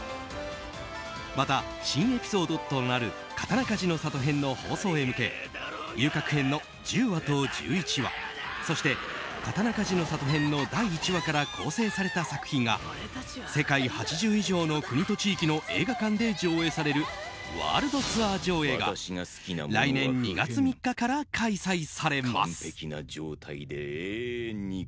また、新エピソードとなる「刀鍛冶の里編」の放送へ向け「遊郭編」の１０話と１１話そして「刀鍛冶の里編」の第１話から構成された作品が世界８０以上の国と地域の映画館で上映されるワールドツアー上映が来年２月３日から開催されます。